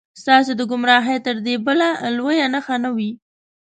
ستاسې د ګمراهۍ تر دې بله لویه نښه نه وي.